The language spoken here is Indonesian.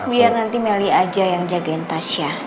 biar nanti melly aja yang jagain tasya